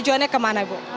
tujuannya kemana ibu